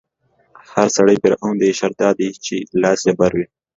هر سړی فرعون دی، شرط دا دی چې لاس يې بر وي